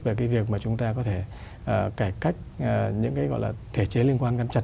về cái việc mà chúng ta có thể cải cách những thể chế liên quan gắn chặt